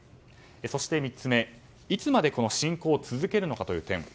そして３つ目、いつまで侵攻を続けるのかという点。